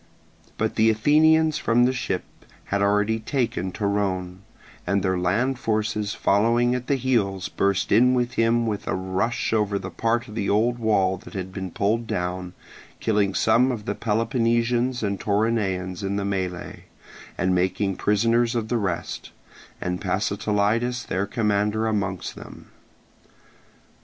But the Athenians from the ships had already taken Torone, and their land forces following at his heels burst in with him with a rush over the part of the old wall that had been pulled down, killing some of the Peloponnesians and Toronaeans in the melee, and making prisoners of the rest, and Pasitelidas their commander amongst them.